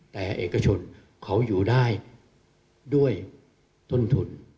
แต่เอกชนเขาอยู่ได้ด้วยต้นทุน